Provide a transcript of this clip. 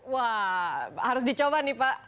wah harus dicoba pak